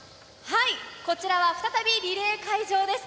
こちらは再びリレー会場です。